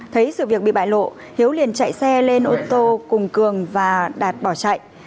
thấy sự việc bị bại lộ hiếu liền chạy xe lên ô tô cùng cường và đạt bỏ chạy